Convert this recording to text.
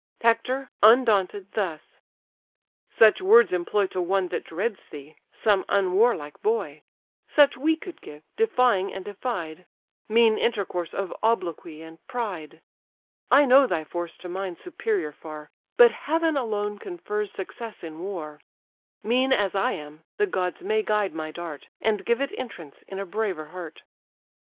Hector, undaunted, thus: "Such words employ To one that dreads thee, some unwarlike boy: Such we could give, defying and defied, Mean intercourse of obloquy and pride! I know thy force to mine superior far; But heaven alone confers success in war: Mean as I am, the gods may guide my dart, And give it entrance in a braver heart."